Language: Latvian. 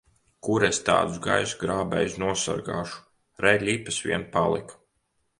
Kur es tādus gaisa grābējus nosargāšu! Re, ļipas vien palika!